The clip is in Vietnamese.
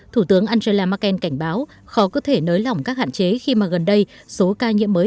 thủ tướng angela merkel cảnh báo khó có thể nới lỏng các hạn chế khi mà gần đây số ca nhiễm mới